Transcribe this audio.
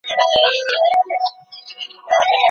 الیسین د هوږې مهم فعال مرکب دی.